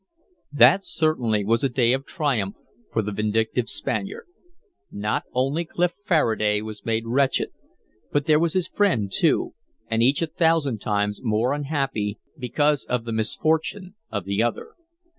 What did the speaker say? That certainly was a day of triumph for the vindictive Spaniard. Not only Clif Faraday was made wretched, but there was his friend, too, and each a thousand times more unhappy because of the misfortune of the other.